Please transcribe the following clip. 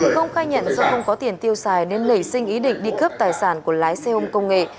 công khai nhận do không có tiền tiêu xài nên lẩy sinh ý định đi cướp tài sản của lái xe ôm công nghệ